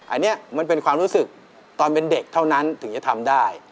อันนี้มันเป็นความรู้สึกตอนเป็นเด็กเท่านั้นถึงจะทำได้